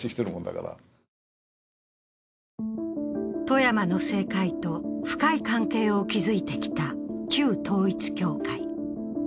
富山の政界と深い関係を築いてきた旧統一教会。